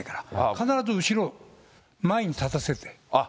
必ず後ろ、前に立たせて。